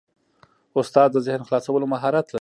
استاد د ذهن خلاصولو مهارت لري.